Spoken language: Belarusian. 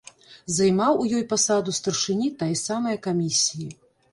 Займаў у ёй пасаду старшыні тае самае камісіі.